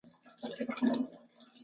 د مور تر واک لاندې ژوند کول عیب ګڼل کیږي